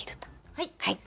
はい。